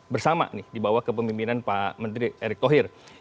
bersama dibawah kepemimpinan pak menteri erick thohir